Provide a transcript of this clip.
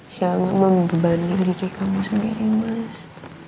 jangan membebani diri kamu sendiri mas